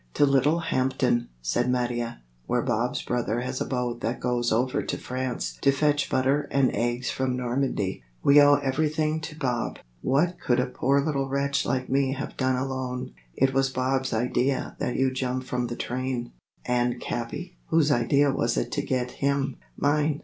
"To Little Hampton," said Mattia, "where Bob's brother has a boat that goes over to France to fetch butter and eggs from Normandy. We owe everything to Bob. What could a poor little wretch like me have done alone? It was Bob's idea that you jump from the train." "And Capi? Who's idea was it to get him?" "Mine.